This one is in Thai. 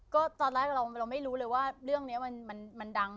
ก็ตอนแรกเราไม่รู้เลยว่าเรื่องนี้มันดัง